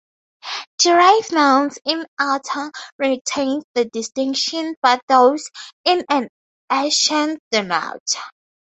Derived nouns in "-ator" retains the distinction, but those in "-ation" do not.